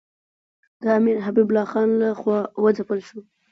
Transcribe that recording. د امیر حبیب الله خان له خوا وځپل شو.